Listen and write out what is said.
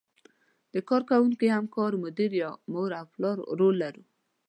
د کار کوونکي، همکار، مدیر یا مور او پلار رول لرو.